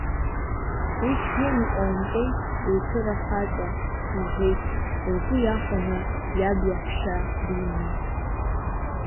Уи бзианы иҟоумҵеи, Еҭыр ахаҵа, — лҳәеит, лгәы иахәаны, иаб иаҳәшьа Римма.